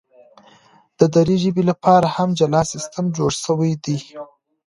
د دري ژبي لپاره هم جلا سیستم جوړ سوی دی.